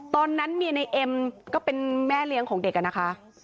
ตอนนั้นเมียในเอ็มก็เป็นแม่เลี้ยงของเด็กอะนะคะ